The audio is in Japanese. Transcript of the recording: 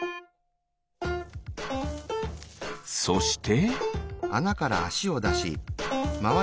そして。